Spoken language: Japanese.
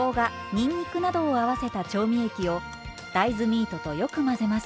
にんにくなどを合わせた調味液を大豆ミートとよく混ぜます。